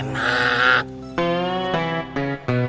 nah manis juga